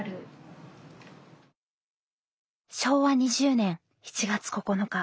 昭和２０年７月９日。